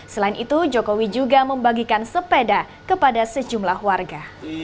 selain itu jokowi juga membagikan sepeda kepada sejumlah warga